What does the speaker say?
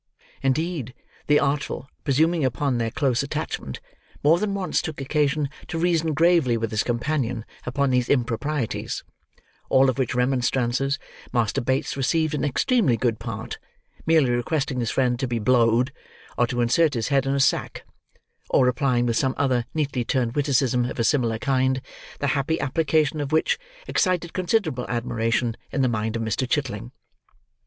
Indeed, the Artful, presuming upon their close attachment, more than once took occasion to reason gravely with his companion upon these improprieties; all of which remonstrances, Master Bates received in extremely good part; merely requesting his friend to be "blowed," or to insert his head in a sack, or replying with some other neatly turned witticism of a similar kind, the happy application of which, excited considerable admiration in the mind of Mr. Chitling.